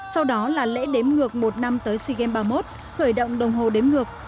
sau đó là lễ đếm ngược một năm tới sea games ba mươi một khởi động đồng hồ đếm ngược